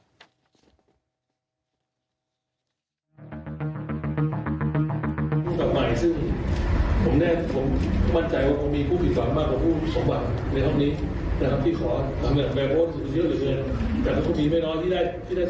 ผู้กำกับใหม่ซึ่งผมแน่นผมมั่นใจว่าผมมีผู้ผิดสอบมากกว่าผู้สมบัติในครั้งนี้นะครับ